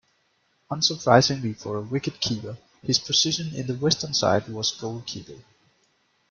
Unsurprisingly for a wicket-keeper, his position in the Western side was goalkeeper.